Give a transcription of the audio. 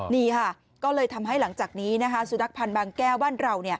นี่ค่ะก็เลยทำให้หลังจากนี้สูตรนักธุ์พันธุ์บางแก้วว่าเรา